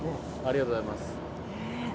ありがとうございます。